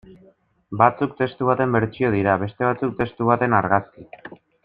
Batzuk testu baten bertsio dira, beste batzuk testu baten argazki.